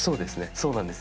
そうなんです。